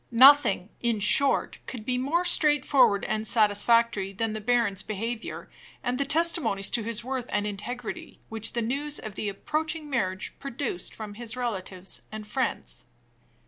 Nothing, in short, could be more straightforward and satisfactory than the baron's behavior, and the testimonies to his worth and integrity which the news of the approaching marriage produced from his relatives and his friends.